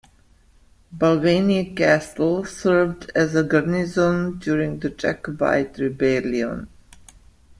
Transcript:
Balvenie Castle served as a garrison during the Jacobite rebellion.